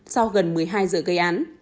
sau gần một mươi hai giờ gây án